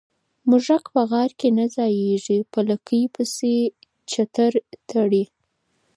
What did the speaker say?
ـ موږک په غار کې نه ځايږي، په لکۍ پسې چتر تړي.